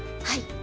はい。